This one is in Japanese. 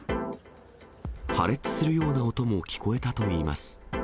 破裂するような音も聞こえたといいます。